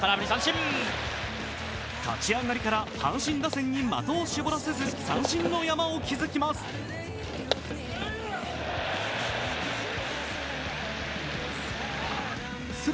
立ち上がりから阪神打線に的を絞らせず、三振の山を築きます。